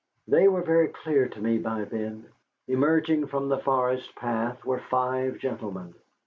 They were very clear to me by then. Emerging from the forest path were five gentlemen.